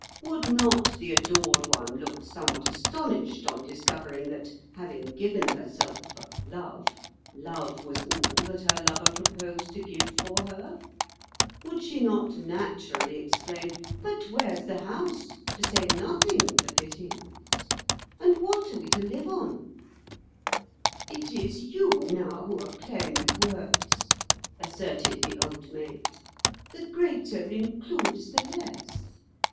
Would not the adored one look somewhat astonished on discovering that, having given herself for 'love,' love was all that her lover proposed to give for her. Would she not naturally exclaim: 'But where's the house, to say nothing of the fittings? And what are we to live on'?" "It is you now who are playing with words," asserted the Old Maid. "The greater includes the less.